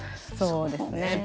そうですね。